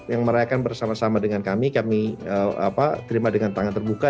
yang merayakan bersama sama dengan kami kami terima dengan tangan terbuka